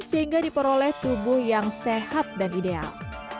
sehingga diperoleh tubuh yang sehat dan ideal